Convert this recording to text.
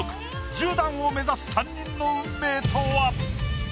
１０段を目指す３人の運命とは？